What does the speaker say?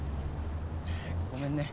ごめんね。